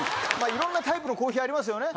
いろんなタイプのコーヒーありますよね